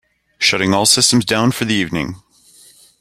Shutting all systems down for the evening.